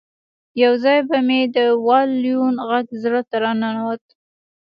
یو ځای به مې د وایلون غږ زړه ته راننوت